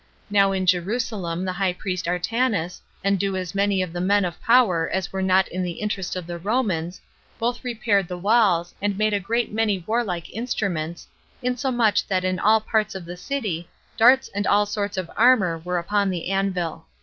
Now in Jerusalem the high priest Artanus, and as many of the men of power as were not in the interest of the Romans, both repaired the walls, and made a great many warlike instruments, insomuch that in all parts of the city darts and all sorts of armor were upon the anvil.